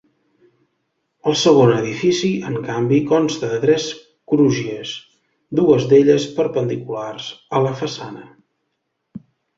El segon edifici, en canvi, consta de tres crugies, dues d'elles perpendiculars a la façana.